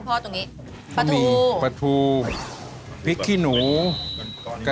น้ำตาลไม่ต้องใส่กระทานนั้นจะเก็บ